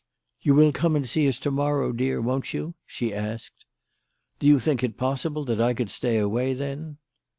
"You will come and see us to morrow, dear, won't you?" she asked. "Do you think it possible that I could stay away, then?"